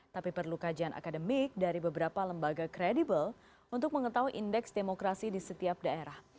tapi perlu kajian akademik dari beberapa lembaga kredibel untuk mengetahui indeks demokrasi di setiap daerah